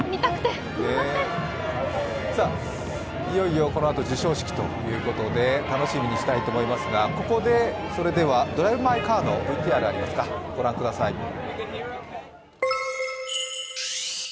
いよいよこのあと、授賞式ということで、楽しみにしたいと思いますが、ここで「ドライブ・マイ・カー」のＶＴＲを御覧ください。